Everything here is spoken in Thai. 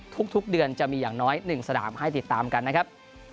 ทุกเดือนจะมีอย่างน้อย๑สนามให้ติดตามกันนะครับ